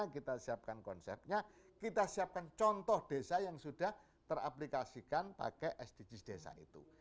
kita siapkan konsepnya kita siapkan contoh desa yang sudah teraplikasikan pakai sdgs desa itu